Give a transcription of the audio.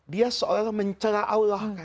dia seolah olah mencela allah kan